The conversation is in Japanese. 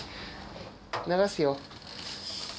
流すよ。